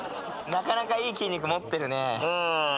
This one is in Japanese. なかなかいい筋肉持ってるね。